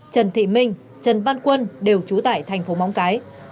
trần thị minh trần văn quân đều trú tại thành phố móng cái